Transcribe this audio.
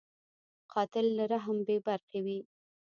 قاتل له رحم بېبرخې وي